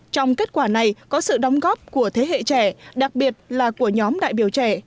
trong kết quả này có sự đóng góp của thế hệ trẻ đặc biệt là của nhóm đại biểu trẻ